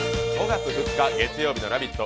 ５月２日、月曜日の「ラヴィット！」